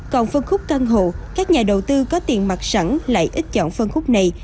còn phân khúc căn hộ các nhà đầu tư có tiền mặt sẵn lại ít chọn phân khúc này